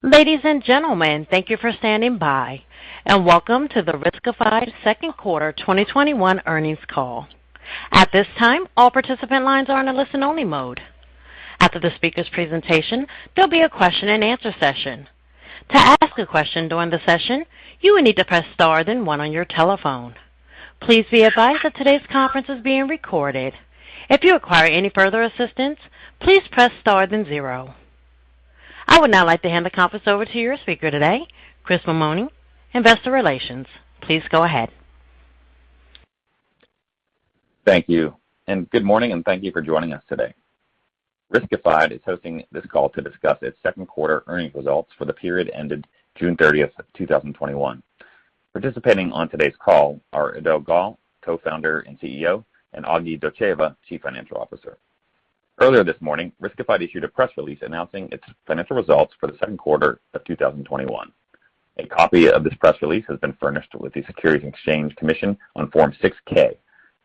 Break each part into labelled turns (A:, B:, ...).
A: Ladies and gentlemen, thank you for standing by. Welcome to the Riskified Second Quarter 2021 Earnings Call. At this time, all participant lines are on listen only mode. After the speaker's presentation, there will be a question-and-answer session. To ask a question during the session, you will need to press star then one on your telephone. Please be advised that today's conference is being recorded. If you require any further assistance, please press star then zero. I would now like to hand the conference over to your speaker today, Chris Mammone, Investor Relations. Please go ahead.
B: Thank you. Good morning, and thank you for joining us today. Riskified is hosting this call to discuss its second quarter earnings results for the period ended June 30th, 2021. Participating on today's call are Eido Gal, Co-Founder and CEO, and Agi Dotcheva, Chief Financial Officer. Earlier this morning, Riskified issued a press release announcing its financial results for the second quarter of 2021. A copy of this press release has been furnished with the Securities and Exchange Commission on Form 6-K.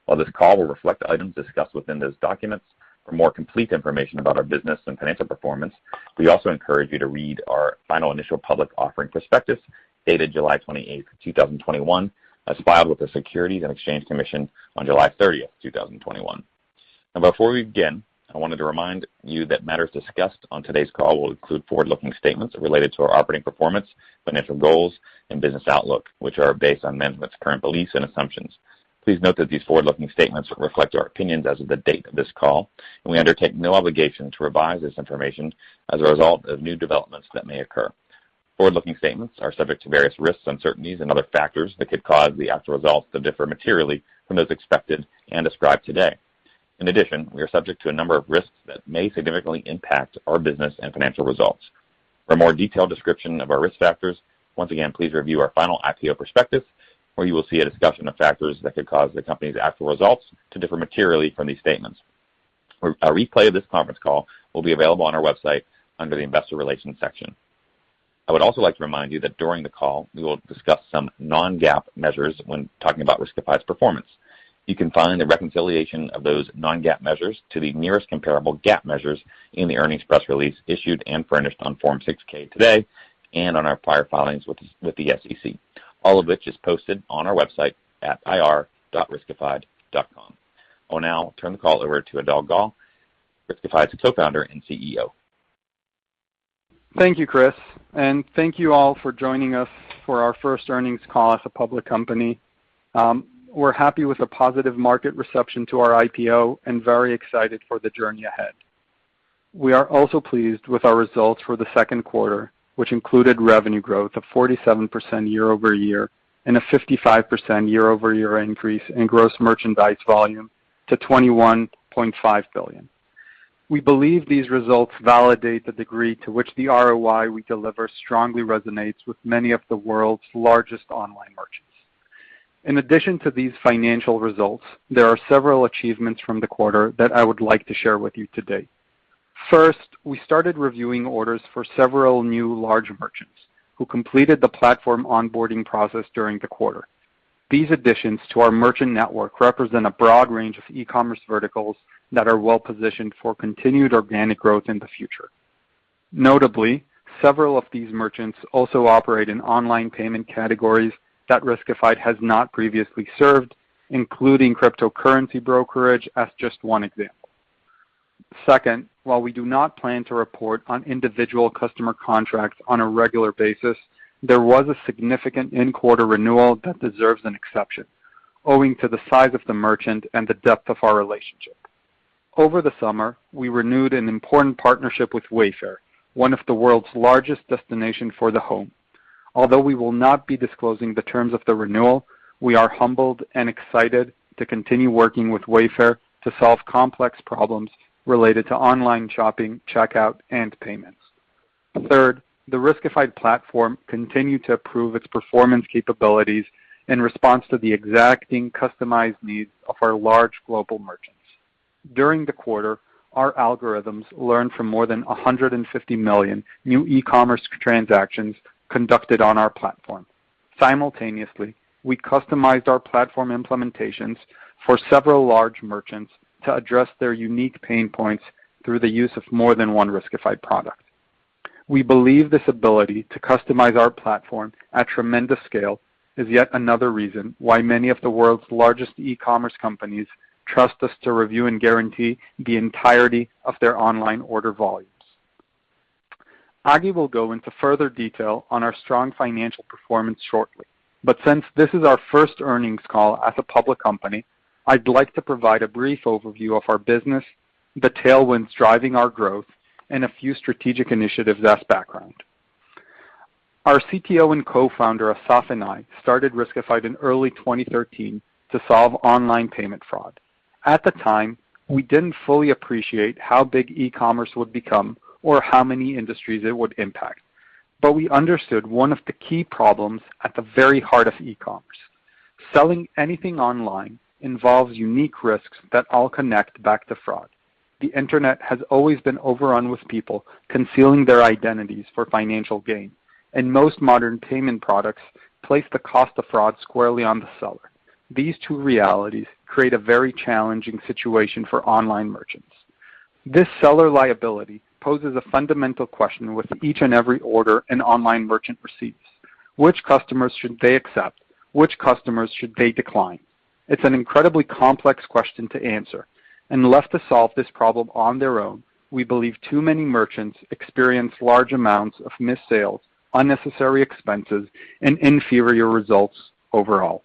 B: While this call will reflect the items discussed within those documents, for more complete information about our business and financial performance, we also encourage you to read our final initial public offering prospectus, dated July 28th, 2021, as filed with the Securities and Exchange Commission on July 30th, 2021. Before we begin, I wanted to remind you that matters discussed on today's call will include forward-looking statements related to our operating performance, financial goals, and business outlook, which are based on management's current beliefs and assumptions. Please note that these forward-looking statements reflect our opinions as of the date of this call. We undertake no obligation to revise this information as a result of new developments that may occur. Forward-looking statements are subject to various risks, uncertainties, and other factors that could cause the actual results to differ materially from those expected and described today. In addition, we are subject to a number of risks that may significantly impact our business and financial results. For a more detailed description of our risk factors, once again, please review our final IPO prospectus, where you will see a discussion of factors that could cause the company's actual results to differ materially from these statements. A replay of this conference call will be available on our website under the investor relations section. I would also like to remind you that during the call, we will discuss some non-GAAP measures when talking about Riskified's performance. You can find a reconciliation of those non-GAAP measures to the nearest comparable GAAP measures in the earnings press release issued and furnished on Form 6-K today, and on our prior filings with the SEC, all of which is posted on our website at ir.riskified.com. I will now turn the call over to Eido Gal, Riskified's Co-Founder and CEO.
C: Thank you, Chris, and thank you all for joining us for our first earnings call as a public company. We are happy with the positive market reception to our IPO and very excited for the journey ahead. We are also pleased with our results for the second quarter, which included revenue growth of 47% year-over-year, and a 55% year-over-year increase in gross merchandise volume to $21.5 billion. We believe these results validate the degree to which the ROI we deliver strongly resonates with many of the world's largest online merchants. In addition to these financial results, there are several achievements from the quarter that I would like to share with you today. First, we started reviewing orders for several new large merchants who completed the platform onboarding process during the quarter. These additions to our merchant network represent a broad range of e-commerce verticals that are well-positioned for continued organic growth in the future. Notably, several of these merchants also operate in online payment categories that Riskified has not previously served, including cryptocurrency brokerage, as just one example. Second, while we do not plan to report on individual customer contracts on a regular basis, there was a significant in-quarter renewal that deserves an exception owing to the size of the merchant and the depth of our relationship. Over the summer, we renewed an important partnership with Wayfair, one of the world's largest destination for the home. Although we will not be disclosing the terms of the renewal, we are humbled and excited to continue working with Wayfair to solve complex problems related to online shopping, checkout, and payments. Third, the Riskified platform continued to improve its performance capabilities in response to the exacting customized needs of our large global merchants. During the quarter, our algorithms learned from more than 150 million new e-commerce transactions conducted on our platform. Simultaneously, we customized our platform implementations for several large merchants to address their unique pain points through the use of more than one Riskified product. We believe this ability to customize our platform at tremendous scale is yet another reason why many of the world's largest e-commerce companies trust us to review and guarantee the entirety of their online order volumes. Agi will go into further detail on our strong financial performance shortly. Since this is our first earnings call as a public company, I'd like to provide a brief overview of our business, the tailwinds driving our growth, and a few strategic initiatives as background. Our CTO and Co-Founder, Assaf and I, started Riskified in early 2013 to solve online payment fraud. At the time, we didn't fully appreciate how big e-commerce would become or how many industries it would impact, but we understood one of the key problems at the very heart of e-commerce. Selling anything online involves unique risks that all connect back to fraud. The Internet has always been overrun with people concealing their identities for financial gain, and most modern payment products place the cost of fraud squarely on the seller. These two realities create a very challenging situation for online merchants. This seller liability poses a fundamental question with each and every order an online merchant receives: which customers should they accept? Which customers should they decline? Left to solve this problem on their own, we believe too many merchants experience large amounts of missed sales, unnecessary expenses, and inferior results overall.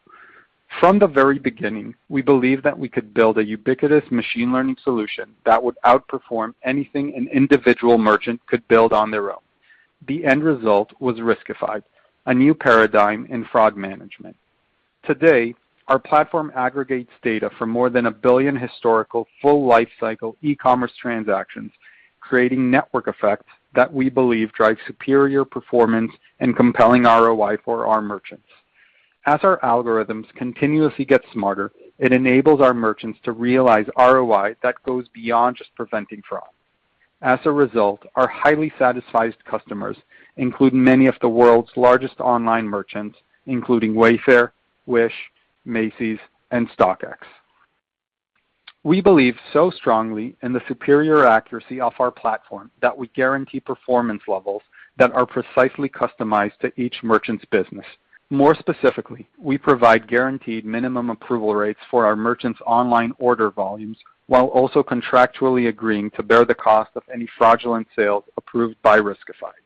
C: From the very beginning, we believed that we could build a ubiquitous machine learning solution that would outperform anything an individual merchant could build on their own. The end result was Riskified, a new paradigm in fraud management. Today, our platform aggregates data from more than a billion historical full lifecycle e-commerce transactions, creating network effects that we believe drive superior performance and compelling ROI for our merchants. As our algorithms continuously get smarter, it enables our merchants to realize ROI that goes beyond just preventing fraud. As a result, our highly satisfied customers include many of the world's largest online merchants, including Wayfair, Wish, Macy's, and StockX. We believe so strongly in the superior accuracy of our platform that we guarantee performance levels that are precisely customized to each merchant's business. More specifically, we provide guaranteed minimum approval rates for our merchants' online order volumes, while also contractually agreeing to bear the cost of any fraudulent sales approved by Riskified.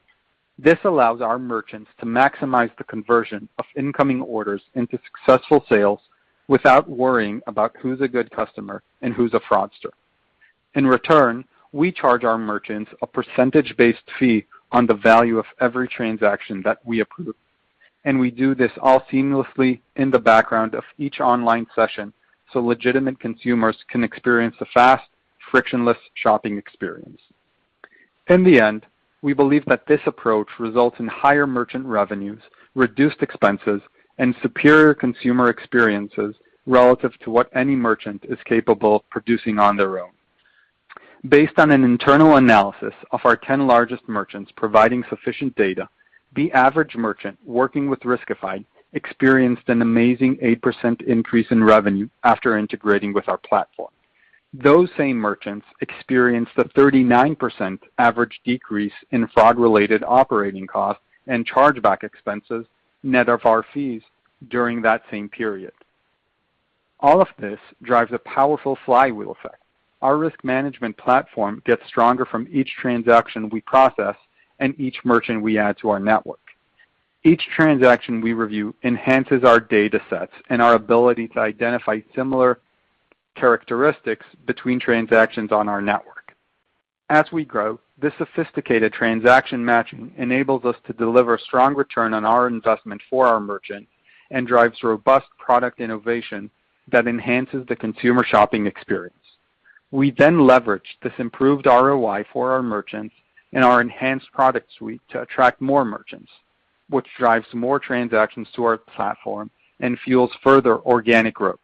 C: This allows our merchants to maximize the conversion of incoming orders into successful sales without worrying about who's a good customer and who's a fraudster. We charge our merchants a percentage-based fee on the value of every transaction that we approve, and we do this all seamlessly in the background of each online session so legitimate consumers can experience a fast, frictionless shopping experience. In the end, we believe that this approach results in higher merchant revenues, reduced expenses, and superior consumer experiences relative to what any merchant is capable of producing on their own. Based on an internal analysis of our 10 largest merchants providing sufficient data, the average merchant working with Riskified experienced an amazing 8% increase in revenue after integrating with our platform. Those same merchants experienced a 39% average decrease in fraud-related operating costs and chargeback expenses net of our fees during that same period. All of this drives a powerful flywheel effect. Our risk management platform gets stronger from each transaction we process and each merchant we add to our network. Each transaction we review enhances our datasets and our ability to identify similar characteristics between transactions on our network. As we grow, this sophisticated transaction matching enables us to deliver strong return on our investment for our merchant and drives robust product innovation that enhances the consumer shopping experience. We leverage this improved ROI for our merchants and our enhanced product suite to attract more merchants, which drives more transactions to our platform and fuels further organic growth.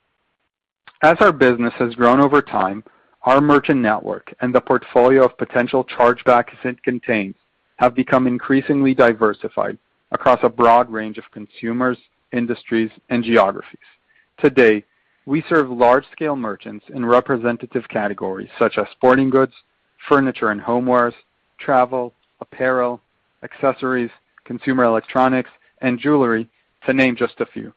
C: As our business has grown over time, our merchant network and the portfolio of potential chargebacks it contains have become increasingly diversified across a broad range of consumers, industries, and geographies. Today, we serve large-scale merchants in representative categories such as sporting goods, furniture and homewares, travel, apparel, accessories, consumer electronics, and jewelry, to name just a few.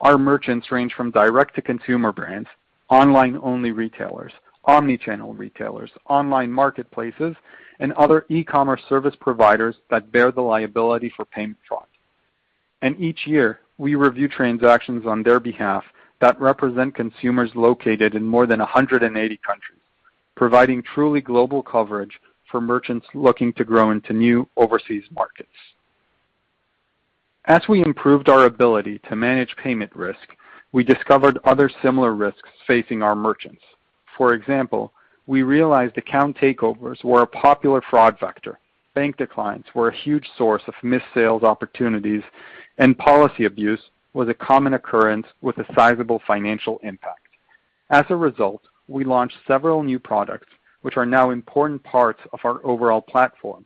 C: Our merchants range from direct-to-consumer brands, online-only retailers, omni-channel retailers, online marketplaces, and other e-commerce service providers that bear the liability for payment fraud. Each year, we review transactions on their behalf that represent consumers located in more than 180 countries, providing truly global coverage for merchants looking to grow into new overseas markets. As we improved our ability to manage payment risk, we discovered other similar risks facing our merchants. For example, we realized account takeovers were a popular fraud vector, bank declines were a huge source of missed sales opportunities, and policy abuse was a common occurrence with a sizable financial impact. As a result, we launched several new products which are now important parts of our overall platform.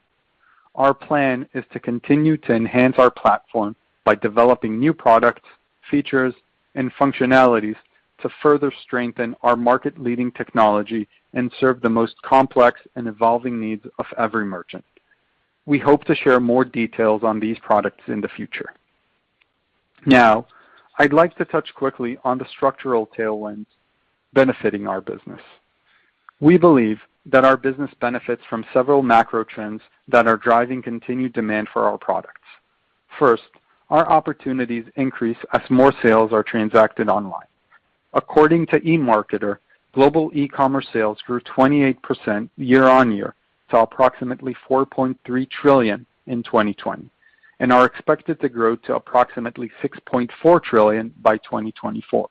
C: Our plan is to continue to enhance our platform by developing new products, features, and functionalities to further strengthen our market-leading technology and serve the most complex and evolving needs of every merchant. We hope to share more details on these products in the future. Now, I'd like to touch quickly on the structural tailwinds benefiting our business. We believe that our business benefits from several macro trends that are driving continued demand for our products. First, our opportunities increase as more sales are transacted online. According to eMarketer, global e-commerce sales grew 28% year-on-year to approximately $4.3 trillion in 2020 and are expected to grow to approximately $6.4 trillion by 2024.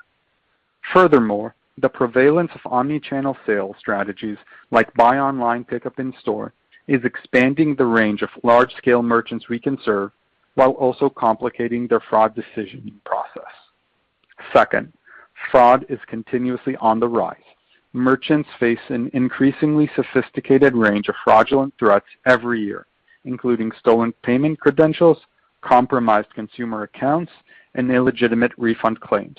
C: Furthermore, the prevalence of omni-channel sales strategies like Buy Online, Pickup In Store is expanding the range of large-scale merchants we can serve while also complicating their fraud decisioning process. Second, fraud is continuously on the rise. Merchants face an increasingly sophisticated range of fraudulent threats every year, including stolen payment credentials, compromised consumer accounts, and illegitimate refund claims.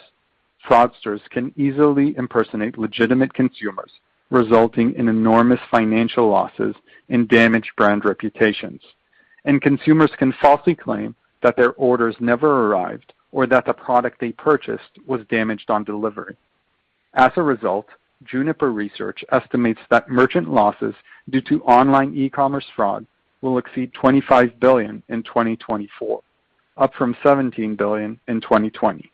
C: Fraudsters can easily impersonate legitimate consumers, resulting in enormous financial losses and damaged brand reputations. Consumers can falsely claim that their orders never arrived or that the product they purchased was damaged on delivery. As a result, Juniper Research estimates that merchant losses due to online e-commerce fraud will exceed $25 billion in 2024, up from $17 billion in 2020.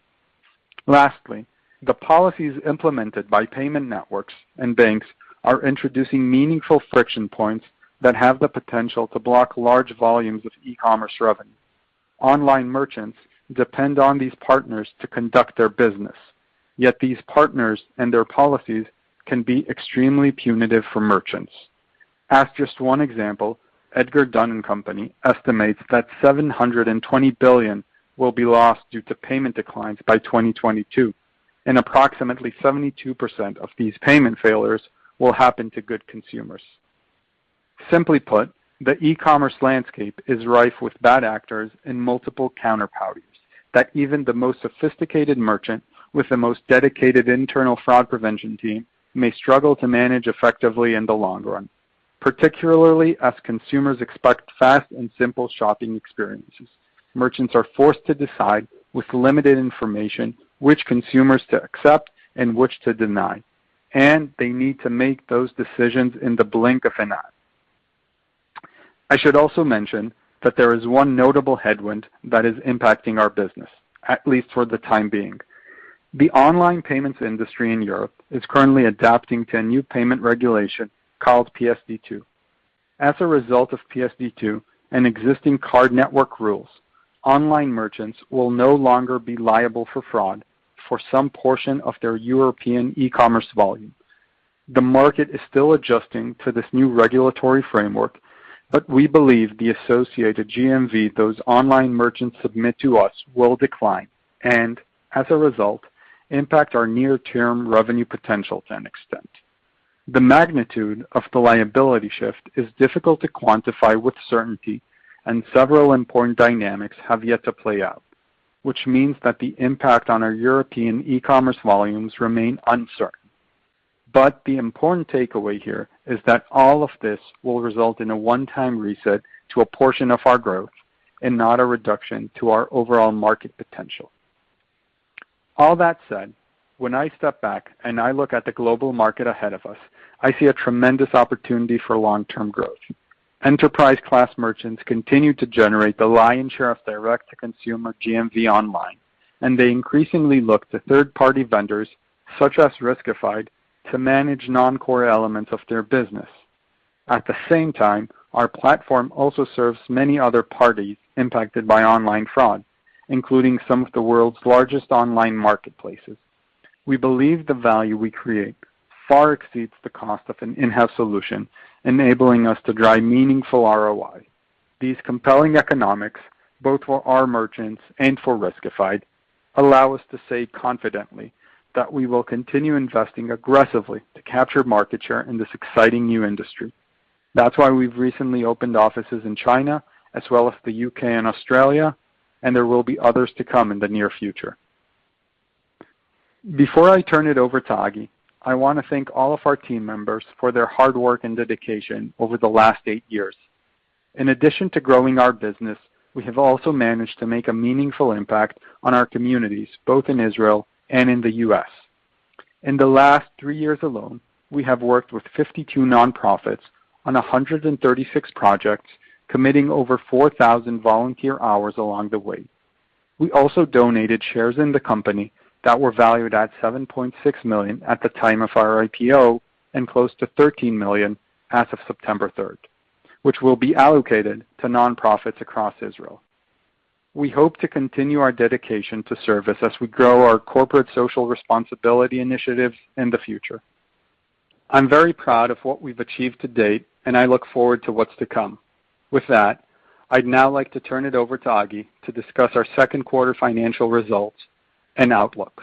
C: Lastly, the policies implemented by payment networks and banks are introducing meaningful friction points that have the potential to block large volumes of e-commerce revenue. Online merchants depend on these partners to conduct their business. Yet these partners and their policies can be extremely punitive for merchants. As just one example, Edgar, Dunn & Company estimates that $720 billion will be lost due to payment declines by 2022, and approximately 72% of these payment failures will happen to good consumers. Simply put, the e-commerce landscape is rife with bad actors and multiple counterpowers that even the most sophisticated merchant with the most dedicated internal fraud prevention team may struggle to manage effectively in the long run, particularly as consumers expect fast and simple shopping experiences. Merchants are forced to decide with limited information which consumers to accept and which to deny, and they need to make those decisions in the blink of an eye. I should also mention that there is one notable headwind that is impacting our business, at least for the time being. The online payments industry in Europe is currently adapting to a new payment regulation called PSD2. As a result of PSD2 and existing card network rules, online merchants will no longer be liable for fraud for some portion of their European e-commerce volume. The market is still adjusting to this new regulatory framework, but we believe the associated GMV those online merchants submit to us will decline, and as a result, impact our near-term revenue potential to an extent. The magnitude of the liability shift is difficult to quantify with certainty, and several important dynamics have yet to play out, which means that the impact on our European e-commerce volumes remain uncertain. The important takeaway here is that all of this will result in a one-time reset to a portion of our growth and not a reduction to our overall market potential. All that said, when I step back and I look at the global market ahead of us, I see a tremendous opportunity for long-term growth. Enterprise class merchants continue to generate the lion's share of their direct-to-consumer GMV online, and they increasingly look to third-party vendors such as Riskified to manage non-core elements of their business. At the same time, our platform also serves many other parties impacted by online fraud, including some of the world's largest online marketplaces. We believe the value we create far exceeds the cost of an in-house solution, enabling us to drive meaningful ROI. These compelling economics, both for our merchants and for Riskified, allow us to say confidently that we will continue investing aggressively to capture market share in this exciting new industry. That's why we've recently opened offices in China as well as the U.K. and Australia, and there will be others to come in the near future. Before I turn it over to Agi, I want to thank all of our team members for their hard work and dedication over the last eight years. In addition to growing our business, we have also managed to make a meaningful impact on our communities, both in Israel and in the U.S. In the last three years alone, we have worked with 52 nonprofits on 136 projects, committing over 4,000 volunteer hours along the way. We also donated shares in the company that were valued at $7.6 million at the time of our IPO and close to $13 million as of September 3rd, which will be allocated to nonprofits across Israel. We hope to continue our dedication to service as we grow our corporate social responsibility initiatives in the future. I'm very proud of what we've achieved to date, and I look forward to what's to come. With that, I'd now like to turn it over to Agi to discuss our second quarter financial results and outlook.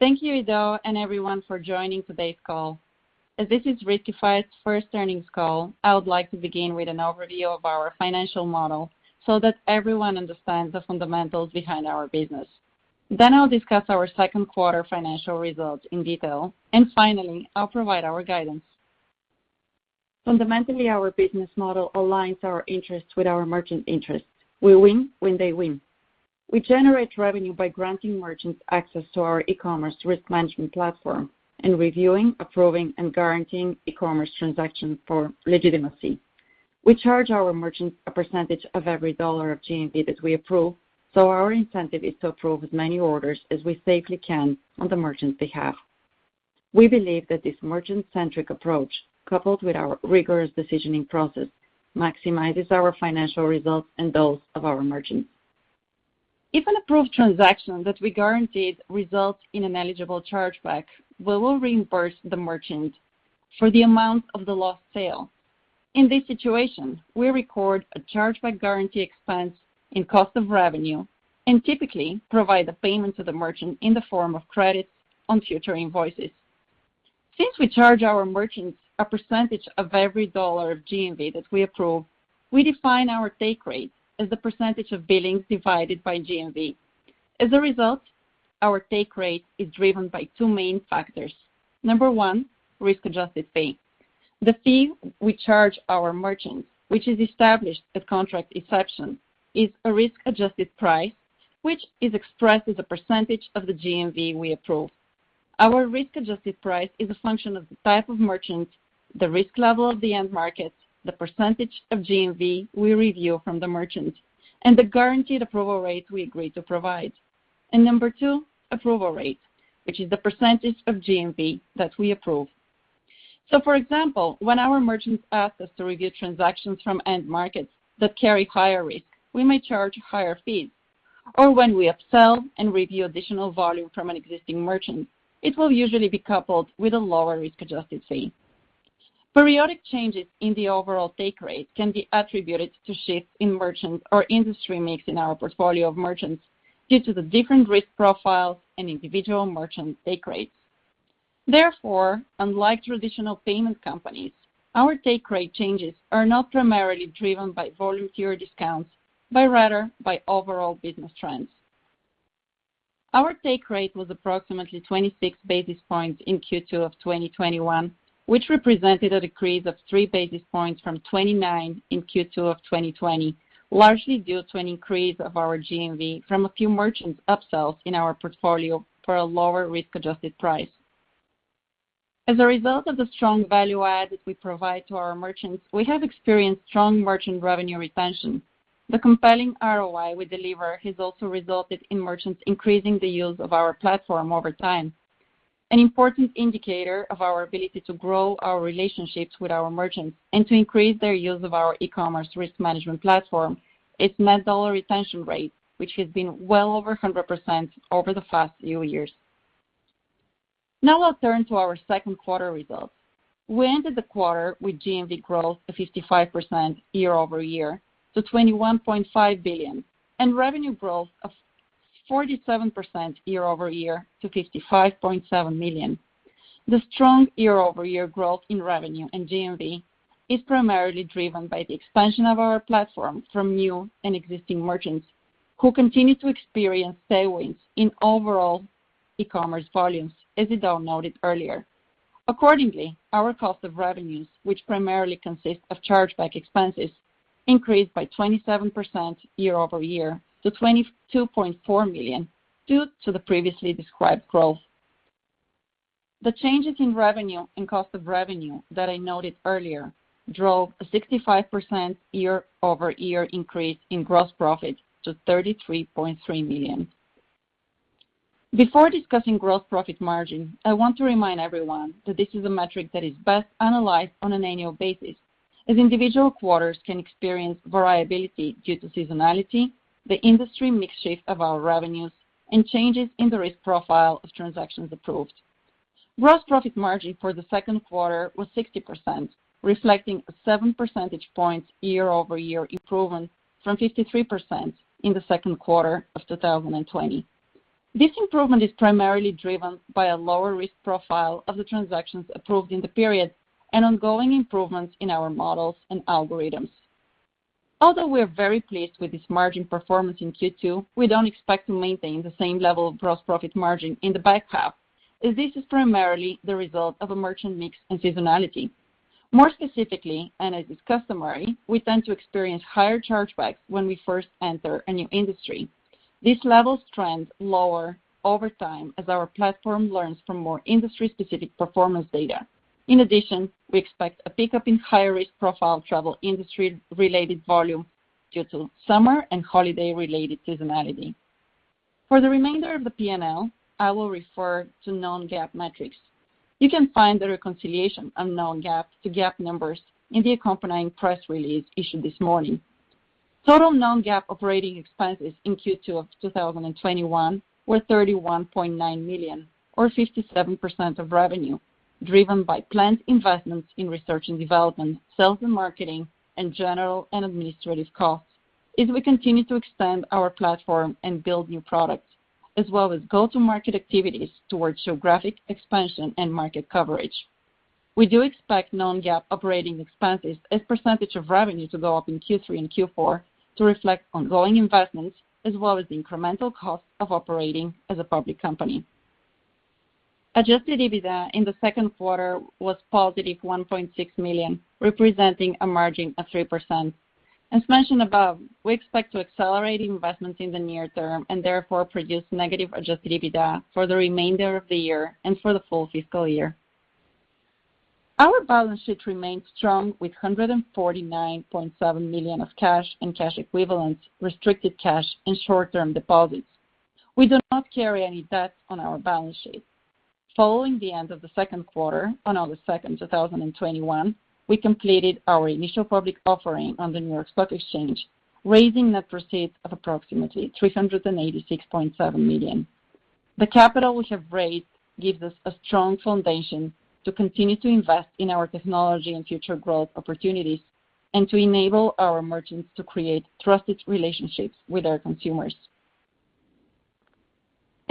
D: Thank you, Eido, and everyone for joining today's call. As this is Riskified's first earnings call, I would like to begin with an overview of our financial model so that everyone understands the fundamentals behind our business. I'll discuss our second quarter financial results in detail. Finally, I'll provide our guidance. Fundamentally, our business model aligns our interests with our merchant interests. We win when they win. We generate revenue by granting merchants access to our e-commerce risk management platform and reviewing, approving, and guaranteeing e-commerce transaction for legitimacy. We charge our merchants a percentage of every dollar of GMV that we approve, so our incentive is to approve as many orders as we safely can on the merchant's behalf. We believe that this merchant-centric approach, coupled with our rigorous decisioning process, maximizes our financial results and those of our merchants. If an approved transaction that we guaranteed results in an eligible chargeback, we will reimburse the merchant for the amount of the lost sale. In this situation, we record a Chargeback Guarantee expense in cost of revenue, and typically provide the payment to the merchant in the form of credits on future invoices. Since we charge our merchants a percentage of every dollar of GMV that we approve, we define our take rate as the percentage of billings divided by GMV. As a result, our take rate is driven by two main factors. Number one, risk-adjusted fee. The fee we charge our merchants, which is established at contract inception, is a risk-adjusted price, which is expressed as a percentage of the GMV we approve. Our risk-adjusted price is a function of the type of merchant, the risk level of the end market, the percentage of GMV we review from the merchant, and the guaranteed approval rate we agree to provide. Number two, approval rate, which is the percentage of GMV that we approve. For example, when our merchants ask us to review transactions from end markets that carry higher risk, we may charge higher fees, or when we upsell and review additional volume from an existing merchant, it will usually be coupled with a lower risk-adjusted fee. Periodic changes in the overall take rate can be attributed to shifts in merchant or industry mix in our portfolio of merchants due to the different risk profiles and individual merchant take rates. Therefore, unlike traditional payment companies, our take rate changes are not primarily driven by volume tier discounts, but rather by overall business trends. Our take rate was approximately 26 basis points in Q2 of 2021, which represented a decrease of 3 basis points from 29 basis points in Q2 of 2020, largely due to an increase of our GMV from a few merchants upsells in our portfolio for a lower risk-adjusted price. As a result of the strong value add that we provide to our merchants, we have experienced strong merchant revenue retention. The compelling ROI we deliver has also resulted in merchants increasing the use of our platform over time. An important indicator of our ability to grow our relationships with our merchants and to increase their use of our e-commerce risk management platform is net dollar retention rate, which has been well over 100% over the past few years. Now I'll turn to our second quarter results. We ended the quarter with GMV growth of 55% year-over-year to $21.5 billion, and revenue growth of 47% year-over-year to $55.7 million. The strong year-over-year growth in revenue and GMV is primarily driven by the expansion of our platform from new and existing merchants, who continue to experience tailwinds in overall e-commerce volumes, as Eido noted earlier. Accordingly, our cost of revenues, which primarily consist of chargeback expenses, increased by 27% year-over-year to $22.4 million due to the previously described growth. The changes in revenue and cost of revenue that I noted earlier drove a 65% year-over-year increase in gross profit to $33.3 million. Before discussing gross profit margin, I want to remind everyone that this is a metric that is best analyzed on an annual basis, as individual quarters can experience variability due to seasonality, the industry mix shift of our revenues, and changes in the risk profile of transactions approved. Gross profit margin for the second quarter was 60%, reflecting a 7 percentage points year-over-year improvement from 53% in the second quarter of 2020. This improvement is primarily driven by a lower risk profile of the transactions approved in the period and ongoing improvements in our models and algorithms. Although we are very pleased with this margin performance in Q2, we don't expect to maintain the same level of gross profit margin in the back half, as this is primarily the result of a merchant mix and seasonality. More specifically, and as is customary, we tend to experience higher chargebacks when we first enter a new industry. These levels trend lower over time as our platform learns from more industry-specific performance data. In addition, we expect a pickup in higher risk profile travel industry-related volume due to summer and holiday-related seasonality. For the remainder of the P&L, I will refer to non-GAAP metrics. You can find the reconciliation of non-GAAP to GAAP numbers in the accompanying press release issued this morning. Total non-GAAP operating expenses in Q2 of 2021 were $31.9 million or 57% of revenue, driven by planned investments in research and development, sales and marketing, and general and administrative costs as we continue to expand our platform and build new products, as well as go-to-market activities towards geographic expansion and market coverage. We do expect non-GAAP operating expenses as percentage of revenue to go up in Q3 and Q4 to reflect ongoing investments, as well as incremental costs of operating as a public company. Adjusted EBITDA in the second quarter was +$1.6 million, representing a margin of 3%. As mentioned above, we expect to accelerate investments in the near term, and therefore produce negative adjusted EBITDA for the remainder of the year and for the full fiscal year. Our balance sheet remains strong with $149.7 million of cash and cash equivalents, restricted cash, and short-term deposits. We do not carry any debt on our balance sheet. Following the end of the second quarter on August 2nd, 2021, we completed our initial public offering on the New York Stock Exchange, raising net proceeds of approximately $386.7 million. The capital we have raised gives us a strong foundation to continue to invest in our technology and future growth opportunities and to enable our merchants to create trusted relationships with our consumers.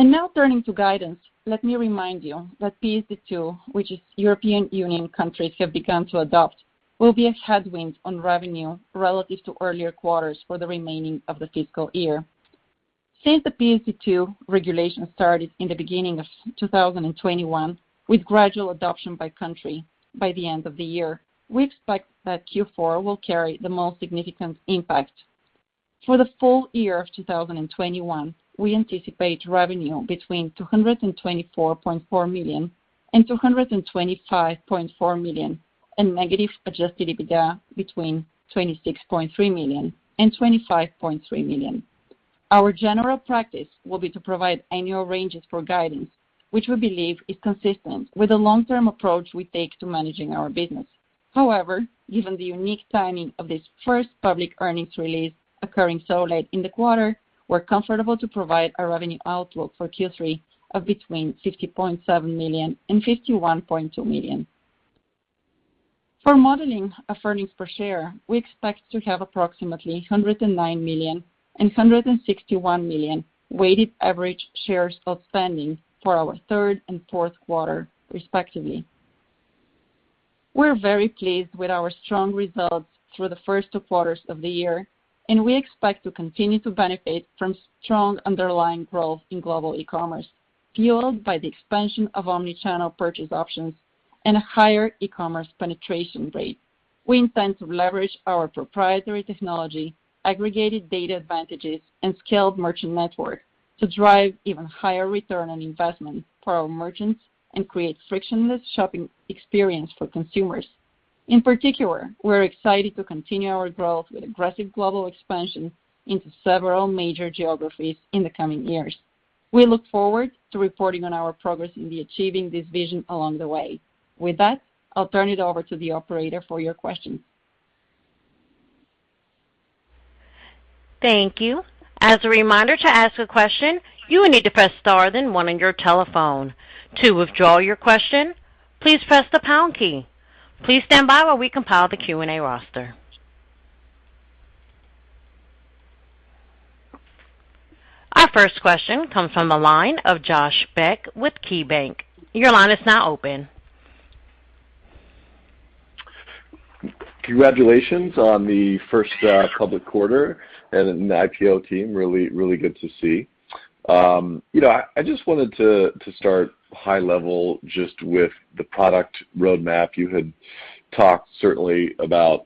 D: Now turning to guidance, let me remind you that PSD2, which European Union countries have begun to adopt, will be a headwind on revenue relative to earlier quarters for the remaining of the fiscal year. Since the PSD2 regulation started in the beginning of 2021, with gradual adoption by country by the end of the year, we expect that Q4 will carry the most significant impact. For the full year of 2021, we anticipate revenue between $224.4 million and $225.4 million, and negative adjusted EBITDA between $26.3 million and $25.3 million. Our general practice will be to provide annual ranges for guidance, which we believe is consistent with the long-term approach we take to managing our business. However, given the unique timing of this first public earnings release occurring so late in the quarter, we're comfortable to provide a revenue outlook for Q3 of between $50.7 million and $51.2 million. For modeling earnings per share, we expect to have approximately $109 million and $161 million weighted average shares outstanding for our third and fourth quarter respectively. We're very pleased with our strong results through the first two quarters of the year, and we expect to continue to benefit from strong underlying growth in global e-commerce, fueled by the expansion of omni-channel purchase options and a higher e-commerce penetration rate. We intend to leverage our proprietary technology, aggregated data advantages, and scaled merchant network to drive even higher return on investment for our merchants and create frictionless shopping experience for consumers. In particular, we're excited to continue our growth with aggressive global expansion into several major geographies in the coming years. We look forward to reporting on our progress in achieving this vision along the way. With that, I'll turn it over to the operator for your questions.
A: Thank you. As a reminder, to ask a question, you will need to press star then one on your telephone. To withdraw your question, please press the pound key. Please stand by while we compile the Q&A roster. Our first question comes from the line of Josh Beck with KeyBanc. Your line is now open.
E: Congratulations on the first public quarter and the IPO team. Really good to see. I just wanted to start high level just with the product roadmap. You had talked certainly about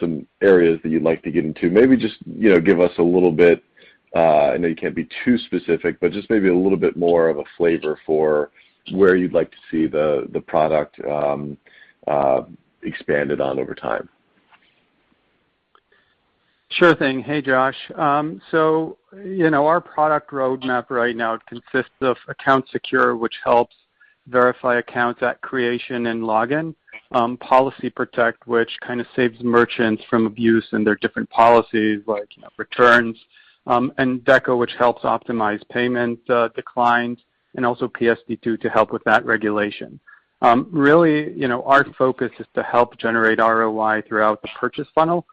E: some areas that you'd like to get into. Maybe just give us a little bit, I know you can't be too specific, but just maybe a little bit more of a flavor for where you'd like to see the product expanded on over time.
C: Sure thing. Hey, Josh. Our product roadmap right now consists of Account Secure, which helps verify accounts at creation and login, Policy Protect, which kind of saves merchants from abuse and their different policies like returns, and Deco, which helps optimize payment declines, and also PSD2 to help with that regulation. Really, our focus is to help generate ROI throughout the purchase funnel.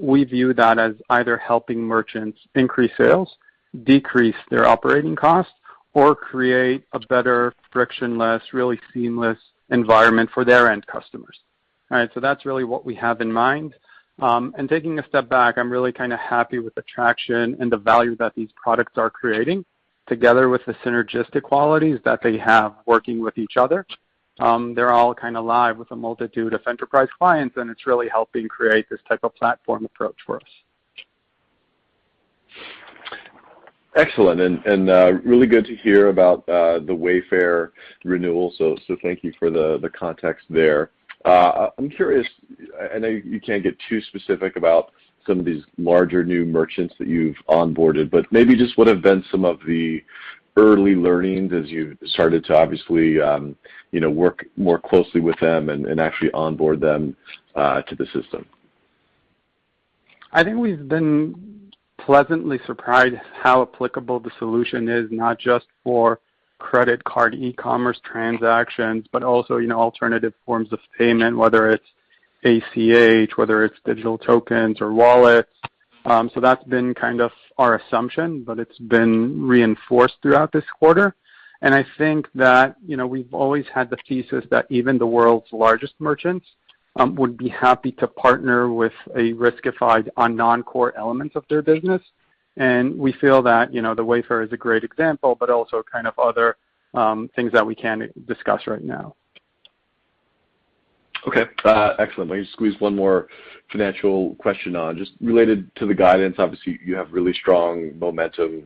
C: We view that as either helping merchants increase sales, decrease their operating costs, or create a better frictionless, really seamless environment for their end customers. All right. That's really what we have in mind. Taking a step back, I'm really kind of happy with the traction and the value that these products are creating together with the synergistic qualities that they have working with each other. They're all kind of live with a multitude of enterprise clients, and it's really helping create this type of platform approach for us.
E: Excellent, really good to hear about the Wayfair renewal, so thank you for the context there. I'm curious, I know you can't get too specific about some of these larger new merchants that you've onboarded, but maybe just what have been some of the early learnings as you started to obviously work more closely with them and actually onboard them to the system?
C: I think we've been pleasantly surprised how applicable the solution is, not just for credit card e-commerce transactions, but also alternative forms of payment, whether it's ACH, whether it's digital tokens or wallets. That's been kind of our assumption, but it's been reinforced throughout this quarter, and I think that we've always had the thesis that even the world's largest merchants would be happy to partner with a Riskified on non-core elements of their business, and we feel that Wayfair is a great example, but also kind of other things that we can't discuss right now.
E: Okay. Excellent. Let me just squeeze one more financial question on. Just related to the guidance, obviously, you have really strong momentum,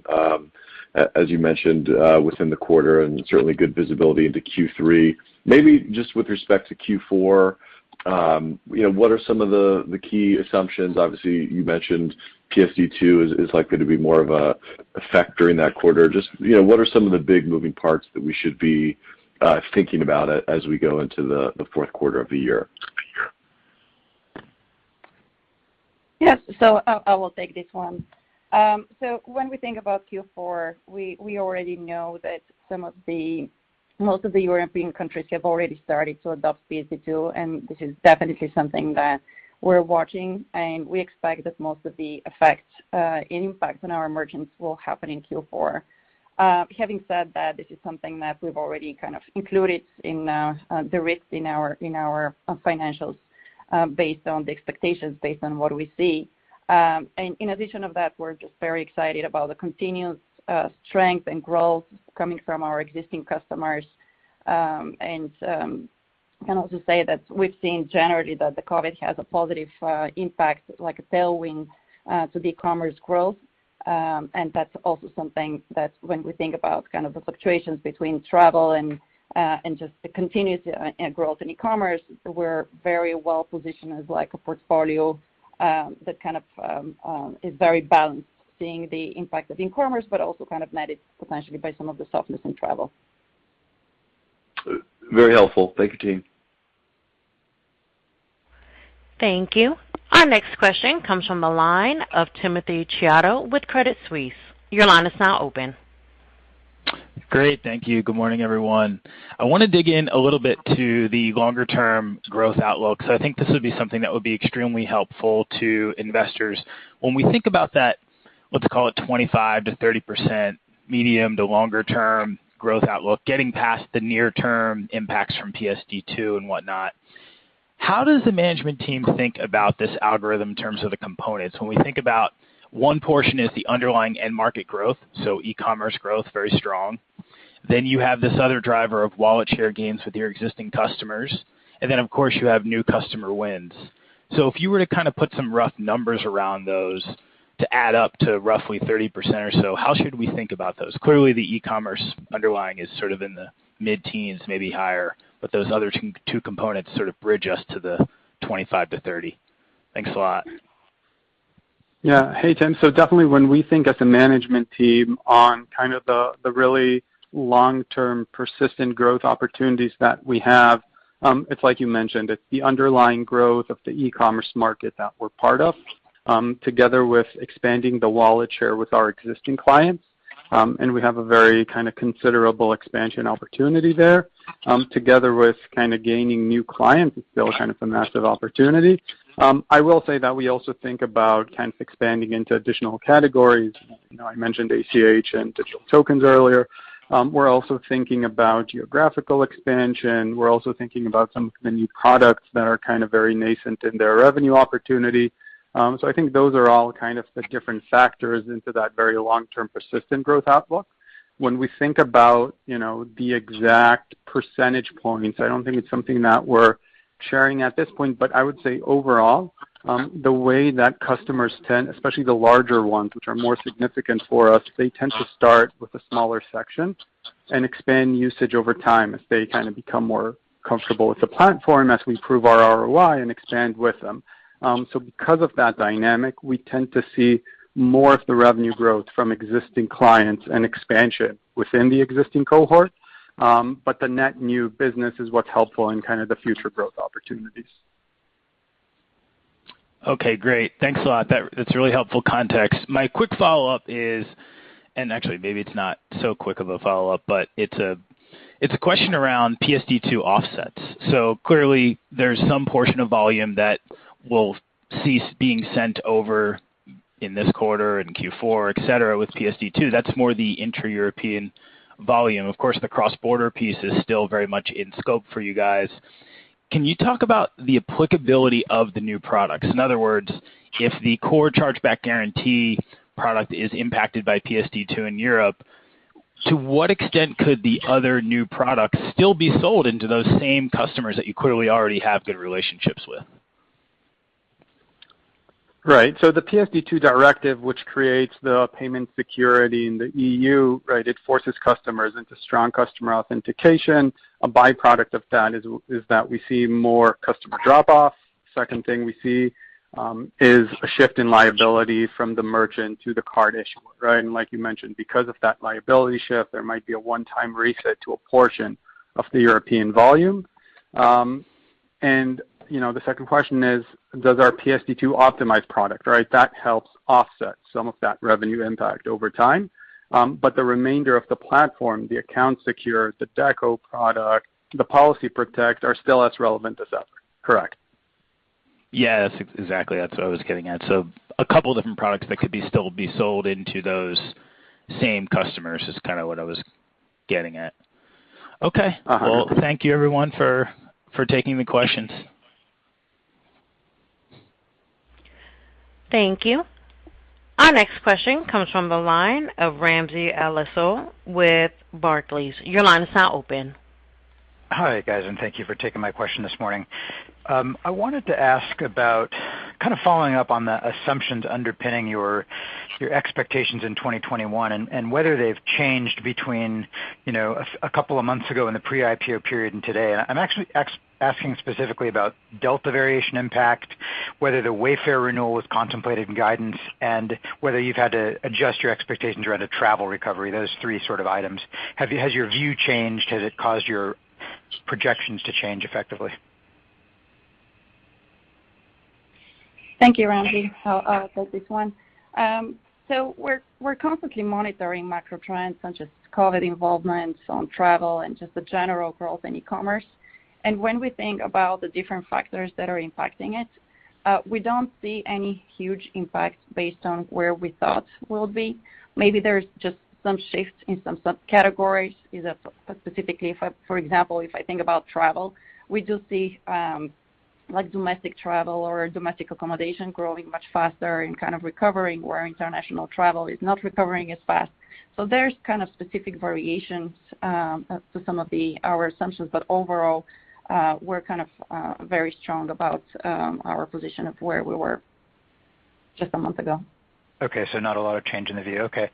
E: as you mentioned, within the quarter and certainly good visibility into Q3. Maybe just with respect to Q4, what are some of the key assumptions? Obviously, you mentioned PSD2 is likely to be more of a factor in that quarter. Just what are some of the big moving parts that we should be thinking about as we go into the fourth quarter of the year?
D: Yes. I will take this one. When we think about Q4, we already know that most of the European countries have already started to adopt PSD2, and this is definitely something that we're watching, and we expect that most of the impact on our merchants will happen in Q4. Having said that, this is something that we've already kind of included in the risks in our financials based on the expectations, based on what we see. In addition of that, we're just very excited about the continued strength and growth coming from our existing customers. Can also say that we've seen generally that the COVID has a positive impact, like a tailwind, to the commerce growth. That's also something that when we think about kind of the fluctuations between travel and just the continued growth in e-commerce, we're very well-positioned as a portfolio that kind of is very balanced, seeing the impact of e-commerce, but also kind of netted potentially by some of the softness in travel.
E: Very helpful. Thank you, team.
A: Thank you. Our next question comes from the line of Timothy Chiodo with Credit Suisse. Your line is now open.
F: Great. Thank you. Good morning, everyone. I want to dig in a little bit to the longer-term growth outlook, because I think this would be something that would be extremely helpful to investors. When we think about that, let's call it 25%-30% medium to longer-term growth outlook, getting past the near-term impacts from PSD2 and whatnot, how does the management team think about this algorithm in terms of the components? When we think about one portion is the underlying end market growth, so e-commerce growth, very strong. Then you have this other driver of wallet share gains with your existing customers. Then, of course, you have new customer wins. If you were to kind of put some rough numbers around those to add up to roughly 30% or so, how should we think about those? Clearly, the e-commerce underlying is sort of in the mid-teens, maybe higher, but those other two components sort of bridge us to the 25%-30%. Thanks a lot.
C: Hey, Tim. Definitely when we think as a management team on kind of the really long-term persistent growth opportunities that we have, it's like you mentioned. It's the underlying growth of the e-commerce market that we're part of, together with expanding the wallet share with our existing clients, and we have a very kind of considerable expansion opportunity there, together with kind of gaining new clients is still kind of a massive opportunity. I will say that we also think about expanding into additional categories. I mentioned ACH and digital tokens earlier. We're also thinking about geographical expansion. We're also thinking about some of the new products that are kind of very nascent in their revenue opportunity. I think those are all kind of the different factors into that very long-term persistent growth outlook. When we think about the exact percentage points, I don't think it's something that we're sharing at this point. I would say overall, the way that customers tend, especially the larger ones, which are more significant for us, they tend to start with a smaller section and expand usage over time as they kind of become more comfortable with the platform, as we prove our ROI and expand with them. Because of that dynamic, we tend to see more of the revenue growth from existing clients and expansion within the existing cohort. The net new business is what's helpful in kind of the future growth opportunities.
F: Okay, great. Thanks a lot. That's really helpful context. My quick follow-up is, and actually, maybe it's not so quick of a follow-up, but it's a question around PSD2 offsets. Clearly, there's some portion of volume that will cease being sent over in this quarter, in Q4, et cetera, with PSD2. That's more the intra-European volume. Of course, the cross-border piece is still very much in scope for you guys. Can you talk about the applicability of the new products? In other words, if the core Chargeback Guarantee product is impacted by PSD2 in Europe, to what extent could the other new products still be sold into those same customers that you clearly already have good relationships with?
C: The PSD2 directive, which creates the payment security in the EU, it forces customers into Strong Customer Authentication. A byproduct of that is that we see more customer drop-off. Second thing we see is a shift in liability from the merchant to the card issuer, right? Like you mentioned, because of that liability shift, there might be a one-time reset to a portion of the European volume. The second question is, does our PSD2 optimized product, that helps offset some of that revenue impact over time. The remainder of the platform, the Account Secure, the Deco product, the Policy Protect, are still as relevant as ever. Correct.
F: Yes, exactly. That's what I was getting at. A couple different products that could still be sold into those same customers is kind of what I was getting at. Okay.
C: A 100%.
F: Well, thank you everyone for taking the questions.
A: Thank you. Our next question comes from the line of Ramsey El-Assal with Barclays. Your line is now open.
G: Hi, guys, thank you for taking my question this morning. I wanted to ask about kind of following up on the assumptions underpinning your expectations in 2021 and whether they've changed between a couple of months ago in the pre-IPO period and today. I'm actually asking specifically about Delta variant impact, whether the Wayfair renewal was contemplated in guidance, and whether you've had to adjust your expectations around a travel recovery, those three sort of items. Has your view changed? Has it caused your projections to change effectively?
D: Thank you, Ramsey. I'll take this one. We're constantly monitoring macro trends, such as COVID involvement on travel and just the general growth in e-commerce. When we think about the different factors that are impacting it, we don't see any huge impacts based on where we thought we'll be. Maybe there's just some shifts in some subcategories. Specifically, for example, if I think about travel, we do see domestic travel or domestic accommodation growing much faster and kind of recovering, where international travel is not recovering as fast. There's specific variations to some of our assumptions. Overall, we're very strong about our position of where we were just a month ago.
G: Okay, not a lot of change in the view. Okay.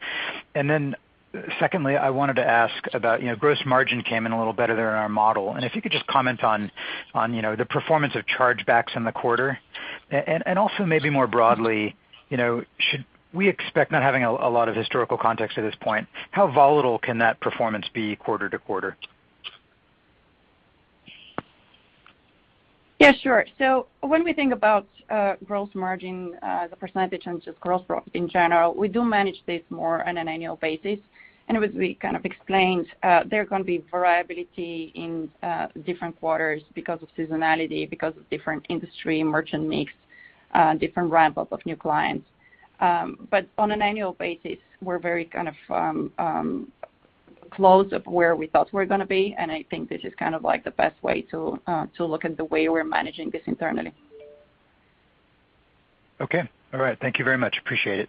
G: Secondly, I wanted to ask about gross margin came in a little better than our model. If you could just comment on the performance of chargebacks in the quarter and also maybe more broadly, should we expect, not having a lot of historical context at this point, how volatile can that performance be quarter-to-quarter?
D: Yeah, sure. When we think about gross margin, the % and just growth in general, we do manage this more on an annual basis. As we explained, there are going to be variability in different quarters because of seasonality, because of different industry merchant mix, different ramp-ups of new clients. On an annual basis, we're very close of where we thought we were going to be, and I think this is the best way to look at the way we're managing this internally.
G: Okay. All right. Thank you very much. Appreciate it.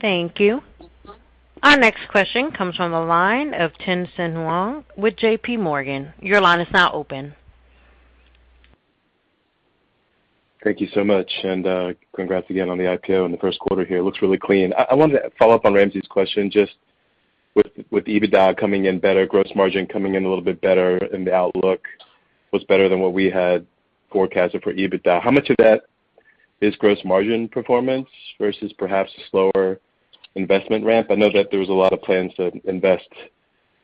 A: Thank you. Our next question comes from the line of Tien-Tsin Huang with JPMorgan. Your line is now open.
H: Thank you so much. Congrats again on the IPO and the first quarter here. It looks really clean. I wanted to follow up on Ramsey's question, just with EBITDA coming in better, gross margin coming in a little bit better. The outlook was better than what we had forecasted for EBITDA. How much of that is gross margin performance versus perhaps a slower investment ramp? I know that there was a lot of plans to invest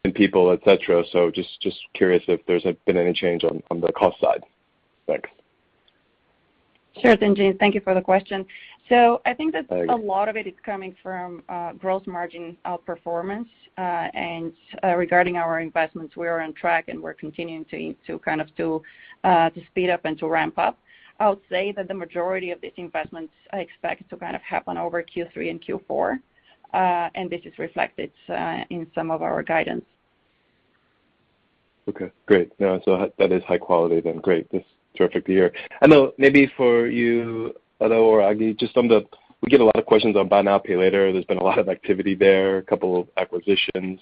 H: in people, et cetera. Just curious if there's been any change on the cost side. Thanks.
D: Sure, Tien-Tsin. Thank you for the question.
H: Thank you.
D: A lot of it is coming from gross margin outperformance. Regarding our investments, we are on track, and we're continuing to speed up and to ramp up. I would say that the majority of these investments are expected to happen over Q3 and Q4. This is reflected in some of our guidance.
H: Okay, great. That is high quality then. Great. This is a terrific year. I know maybe for you, Eido or Agi, we get a lot of questions on buy now, pay later. There's been a lot of activity there, a couple of acquisitions.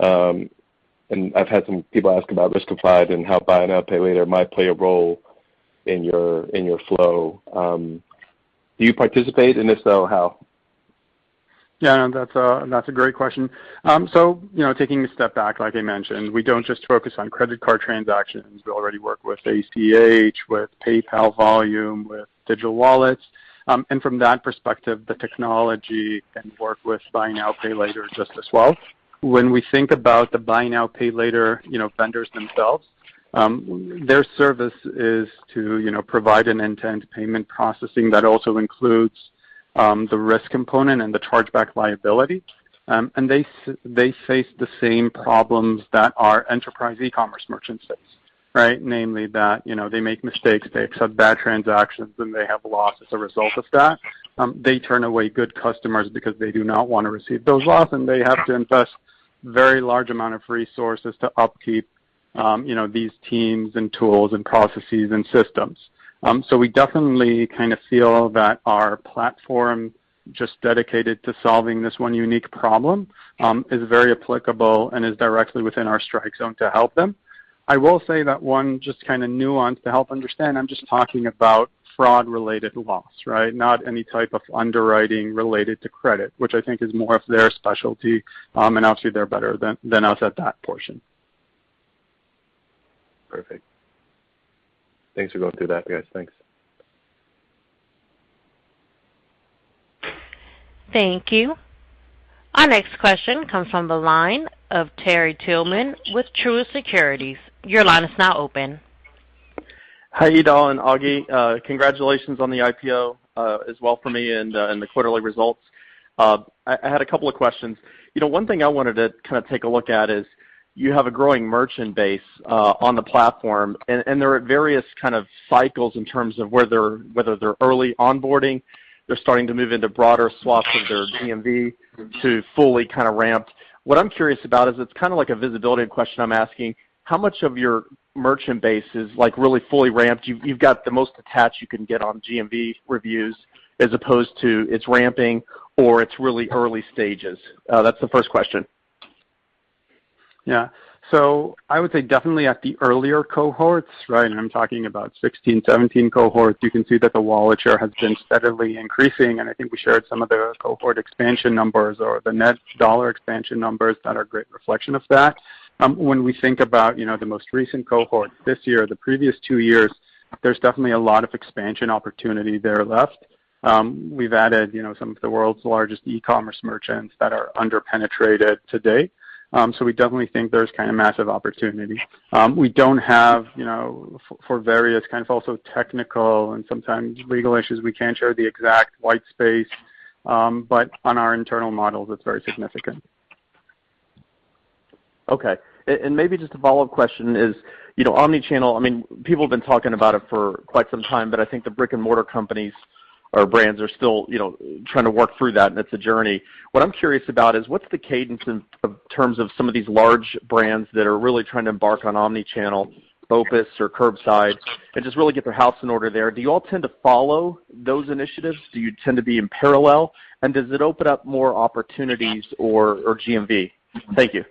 H: I've had some people ask about Riskified and how buy now, pay later might play a role in your flow. Do you participate? If so, how?
C: That's a great question. Taking a step back, like I mentioned, we don't just focus on credit card transactions. We already work with ACH, with PayPal volume, with digital wallets. From that perspective, the technology can work with buy now, pay later just as well. When we think about the buy now, pay later vendors themselves, their service is to provide an end-to-end payment processing that also includes the risk component and the chargeback liability. They face the same problems that our enterprise e-commerce merchants face. Namely that they make mistakes, they accept bad transactions, and they have loss as a result of that. They turn away good customers because they do not want to receive those loss, and they have to invest very large amount of resources to upkeep these teams and tools and processes and systems. We definitely feel that our platform just dedicated to solving this one unique problem is very applicable and is directly within our strike zone to help them. I will say that one just kind of nuance to help understand, I'm just talking about fraud-related loss. Not any type of underwriting related to credit, which I think is more of their specialty, and obviously they're better than us at that portion.
H: Perfect. Thanks for going through that, guys. Thanks.
A: Thank you. Our next question comes from the line of Terry Tillman with Truist Securities.
I: Hi, Eido and Agi. Congratulations on the IPO as well for me and the quarterly results. I had a couple of questions. One thing I wanted to take a look at is you have a growing merchant base on the platform, and there are various cycles in terms of whether they're early onboarding, they're starting to move into broader swaths of their GMV to fully ramped. What I'm curious about is it's like a visibility question I'm asking. How much of your merchant base is really fully ramped? You've got the most attached you can get on GMV reviews as opposed to it's ramping or it's really early stages. That's the first question.
C: I would say definitely at the earlier cohorts, and I am talking about 2016, 2017 cohorts, you can see that the wallet share has been steadily increasing, and I think we shared some of the cohort expansion numbers or the net dollar expansion numbers that are great reflection of that. When we think about the most recent cohort this year or the previous two years, there's definitely a lot of expansion opportunity there left. We've added some of the world's largest e-commerce merchants that are under-penetrated today. We definitely think there's massive opportunity. We don't have, for various kind of also technical and sometimes legal issues, we can't share the exact white space. On our internal models, it's very significant.
I: Okay. Maybe just a follow-up question is, omni-channel, people have been talking about it for quite some time, but I think the brick-and-mortar companies or brands are still trying to work through that, and it's a journey. What I'm curious about is, what's the cadence in terms of some of these large brands that are really trying to embark on omni-channel focus or curbside and just really get their house in order there? Do you all tend to follow those initiatives? Do you tend to be in parallel? Does it open up more opportunities or GMV? Thank you.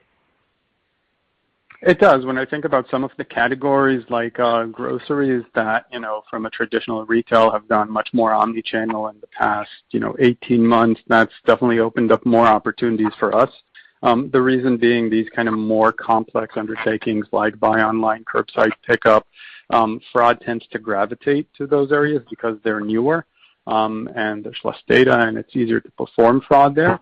C: It does. When I think about some of the categories like groceries that, from a traditional retail, have gone much more omni-channel in the past 18 months, that's definitely opened up more opportunities for us. The reason being these kind of more complex undertakings like buy online, curbside pickup, fraud tends to gravitate to those areas because they're newer, and there's less data, and it's easier to perform fraud there,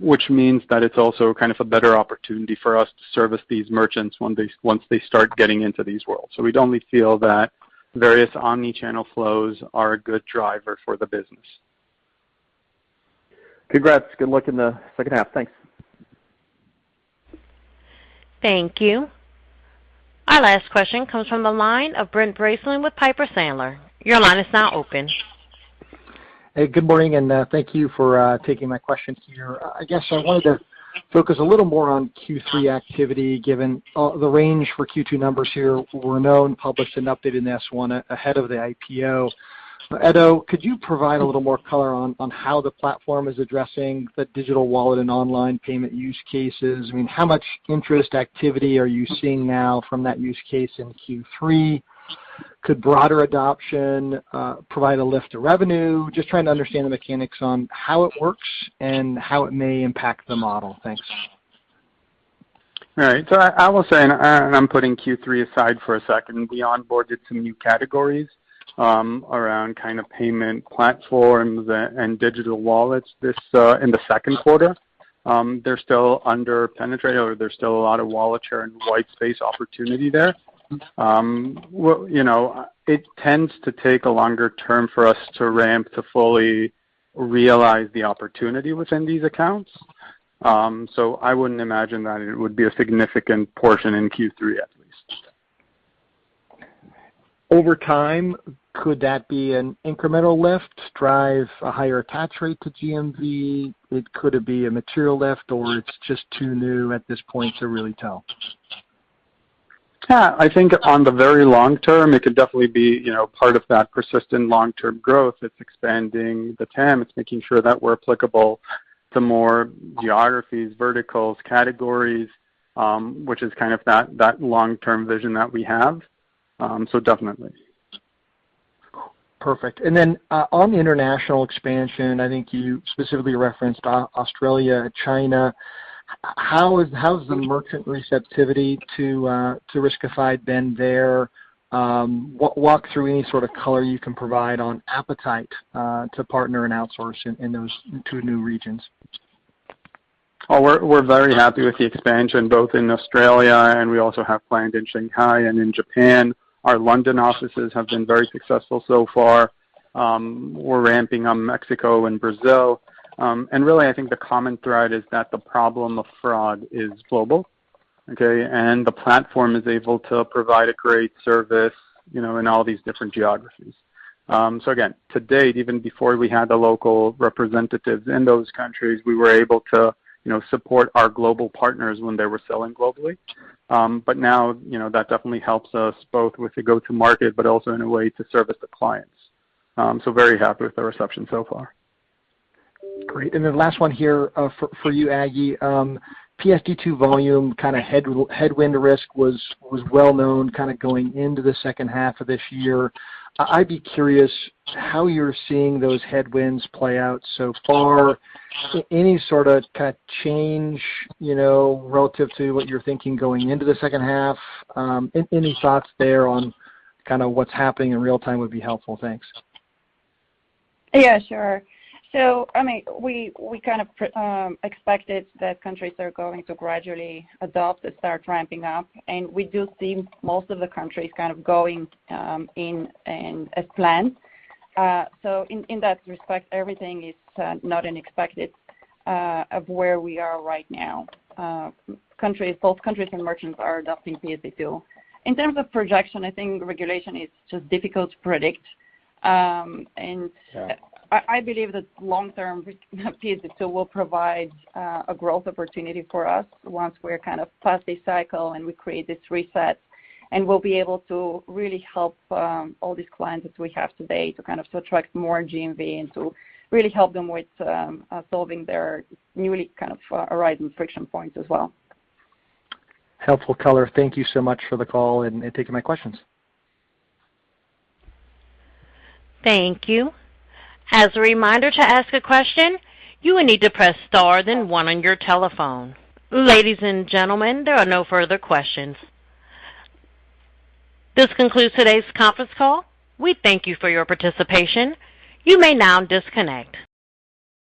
C: which means that it's also kind of a better opportunity for us to service these merchants once they start getting into these worlds. We definitely feel that various omni-channel flows are a good driver for the business.
I: Congrats. Good luck in the second half. Thanks.
A: Thank you. Our last question comes from the line of Brent Bracelin with Piper Sandler. Your line is now open.
J: Hey, good morning, and thank you for taking my question here. I guess I wanted to focus a little more on Q3 activity, given the range for Q2 numbers here were known, published, and updated in the S-1 ahead of the IPO. Eido, could you provide a little more color on how the platform is addressing the digital wallet and online payment use cases? How much interest activity are you seeing now from that use case in Q3? Could broader adoption provide a lift to revenue? Just trying to understand the mechanics on how it works and how it may impact the model. Thanks.
C: All right. I will say, and I'm putting Q3 aside for a second. We onboarded some new categories around payment platforms and digital wallets in the second quarter. They're still under-penetrated or there's still a lot of wallet share and white space opportunity there. It tends to take a longer term for us to ramp to fully realize the opportunity within these accounts. I wouldn't imagine that it would be a significant portion in Q3, at least.
J: Over time, could that be an incremental lift, drive a higher attach rate to GMV? Could it be a material lift, or it's just too new at this point to really tell?
C: Yeah, I think on the very long term, it could definitely be part of that persistent long-term growth. It's expanding the TAM. It's making sure that we're applicable to more geographies, verticals, categories, which is kind of that long-term vision that we have. Definitely.
J: Perfect. On the international expansion, I think you specifically referenced Australia, China. How has the merchant receptivity to Riskified been there? Walk through any sort of color you can provide on appetite to partner and outsource in those two new regions.
C: Oh, we're very happy with the expansion, both in Australia, and we also have planned in Shanghai and in Japan. Our London offices have been very successful so far. We're ramping up Mexico and Brazil. Really, I think the common thread is that the problem of fraud is global, okay? The platform is able to provide a great service in all these different geographies. Again, to date, even before we had the local representatives in those countries, we were able to support our global partners when they were selling globally. Now, that definitely helps us both with the go-to-market, but also in a way to service the clients. Very happy with the reception so far.
J: Great. Last one here for you, Agi. PSD2 volume headwind risk was well known going into the second half of this year. I'd be curious how you're seeing those headwinds play out so far. Any sort of change relative to what you were thinking going into the second half? Any thoughts there on what's happening in real-time would be helpful. Thanks.
D: Yeah, sure. We kind of expected that countries are going to gradually adopt and start ramping up, and we do see most of the countries going in as planned. In that respect, everything is not unexpected of where we are right now. Both countries and merchants are adopting PSD2. In terms of projection, I think regulation is just difficult to predict.
J: Sure.
D: I believe that long term, PSD2 will provide a growth opportunity for us once we're past this cycle, and we create this reset, and we'll be able to really help all these clients that we have today to attract more GMV and to really help them with solving their newly arising friction points as well.
J: Helpful color. Thank you so much for the call and taking my questions.
A: Thank you. As a reminder to ask a question, you will need to press star then one on your telephone. Ladies and gentlemen, there are no further questions. This concludes today's conference call. We thank you for your participation. You may now disconnect.